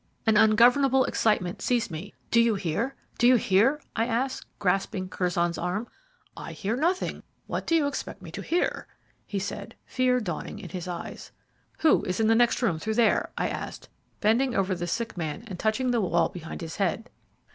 An ungovernable excitement seized me. "Do you hear? Do you hear?" I asked grasping Curzon's arm. "I hear nothing. What do you expect to hear?" he said, fear dawning in his eyes. "Who is in the next room through there?" I asked, bending over the sick man and touching the wall behind his head.